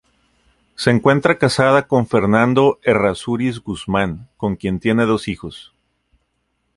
Se encuentra casada con Fernando Errázuriz Guzmán, con quien tiene dos hijos.